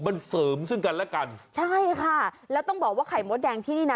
มันเสริมซึ่งกันและกันใช่ค่ะแล้วต้องบอกว่าไข่มดแดงที่นี่น่ะ